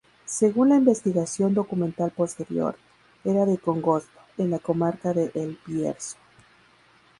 Según la investigación documental posterior, era de Congosto, en la comarca de El Bierzo.